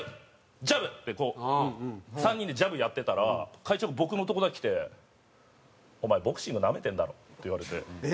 ジャブ！」ってこう３人でジャブやってたら会長が僕のとこだけ来て「お前ボクシングなめてんだろ」って言われて。